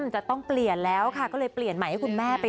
จะต้องเปลี่ยนแล้วค่ะก็เลยเปลี่ยนใหม่ให้คุณแม่ไป